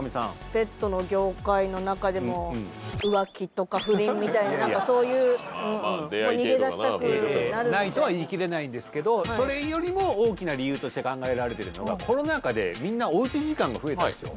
ペットの業界の中でも浮気とか不倫みたいななんかそういう逃げ出したくなるみたいなまあまあ出会い系とかなないとは言い切れないんですけどそれよりも大きな理由として考えられてるのがコロナ禍でみんなおうち時間が増えてるんですよ